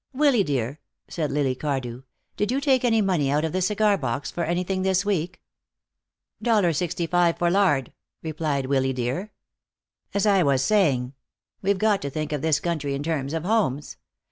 "Willy dear," said Lily Cardew, "did you take any money out of the cigar box for anything this week?" "Dollar sixty five for lard," replied Willy dear. "As I was saying, we've got to think of this country in terms of homes.